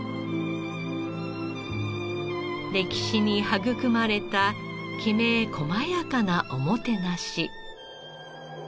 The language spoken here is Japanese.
歴史に育まれたきめ細やかなおもてなし。